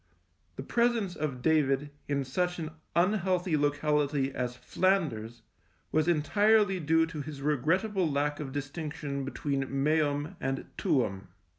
The presence of David in such an unhealthy locality as Flanders was entirely due to his regrettable lack of distinction between meum and tuum.